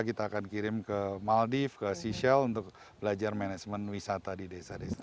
kita akan kirim ke maldive ke seasel untuk belajar manajemen wisata di desa desa